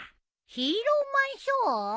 ヒーローマンショー？